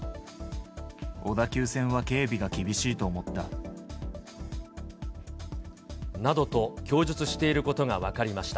小田急線は警備が厳しいと思などと供述していることが分かりました。